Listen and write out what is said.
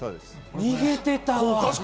逃げてたわ。